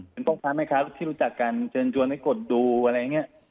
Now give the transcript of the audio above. เป็นพ่อค้าแม่ค้าที่รู้จักกันเชิญชวนให้กดดูอะไรอย่างนี้